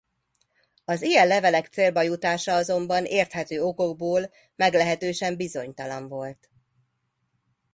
Az ilyen levelek célba jutása azonban érthető okokból meglehetősen bizonytalan volt.